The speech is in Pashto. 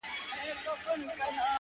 د زړه لاسونه مو مات ـ مات سول پسي ـ